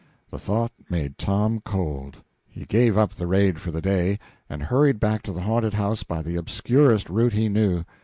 The thought made Tom cold. He gave up the raid for the day, and hurried back to the haunted house by the obscurest route he knew.